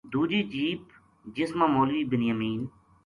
دُوجی جیپ جس ما مولوی بنیامین